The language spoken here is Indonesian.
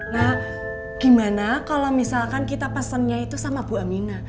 nah gimana kalau misalkan kita pesennya itu sama bu amina